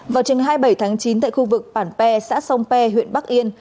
vào trường hai mươi bảy tháng chín tại khu vực bản pè xã sông pè huyện bắc yên